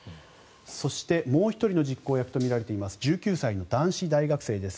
そして、もう１人の実行役とみられています１９歳の男子大学生です。